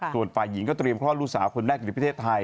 ส่วนฝ่ายหญิงก็เตรียมคลอดลูกสาวคนแรกอยู่ในประเทศไทย